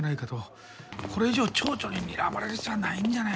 これ以上町長に睨まれる必要はないんじゃないかな。